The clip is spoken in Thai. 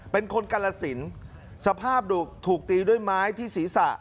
เป็นคนกาลสินสภาพถูกตีด้วยไม้ที่ศีรษะ